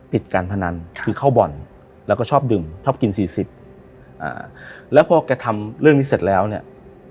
ติดการพนันคือเข้าบ่อนแล้วก็ชอบดื่มชอบกินสี่สิบอ่าแล้วพอแกทำเรื่องนี้เสร็จแล้วเนี่ย